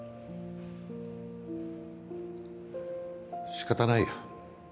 仕方ないよ。